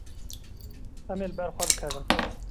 Em ê li ber xwe bikevin.